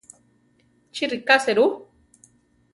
Chi ríka serú?